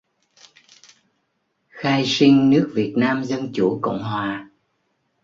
khai sinh nước Việt Nam Dân chủ Cộng hòa